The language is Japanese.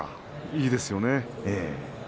いいですよね。